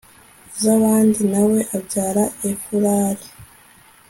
zabadi na we abyara efulali